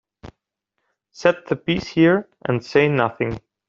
Set the piece here and say nothing.